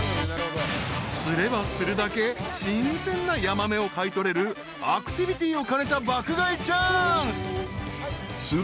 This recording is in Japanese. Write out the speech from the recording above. ［釣れば釣るだけ新鮮なヤマメを買い取れるアクティビティーを兼ねた爆買いチャンス。